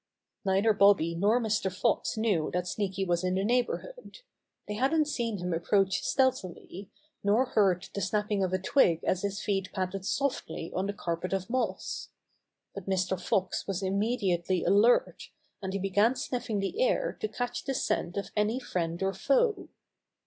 Neither Bobby nor Mr. Fox knew that Sneaky was in the neighborhood. They hadn't seen him approach stealthily, nor heard the snapping of a twig as his feet patted softly on the carpet of moss. But Mr. Fox was immediately alert, and he began sniffing the air to catch the scent of any friend or foe.